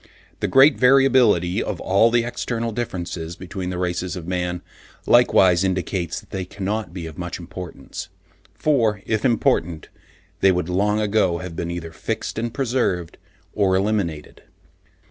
The great variability of all the external differences between the races of man, likewise indicates that they cannot be of much importance; for if important, they would long ago have been either fixed and preserved, or eliminated.